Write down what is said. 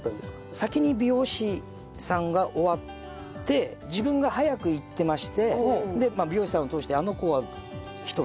先に美容師さんが終わって自分が早く行ってまして美容師さんを通して「あの子は一人？」みたいな感じで。